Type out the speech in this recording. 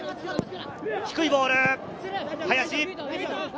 低いボール、林。